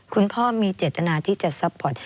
คุณพ่อมีเจตนาที่จะซัพพอร์ต